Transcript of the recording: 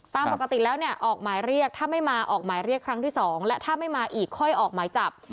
ตามปกติแล้วเนี่ยออกหมายเรียกถ้าไม่มาออกหมายเรียกครั้งที่๒และถ้าไม่มาอีกค่อยออกหมายจับ